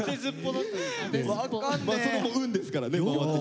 まあそこも運ですからね。